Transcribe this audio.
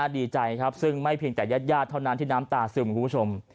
ดีใจครับซึ่งไม่เพียงแต่ญาติเท่านั้นที่น้ำตาซึมคุณผู้ชม